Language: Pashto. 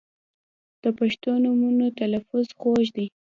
• د پښتو نومونو تلفظ خوږ دی.